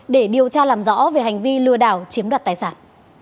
để điều tra làm rõ về hành vi lừa đảo chiếm đoạt tài sản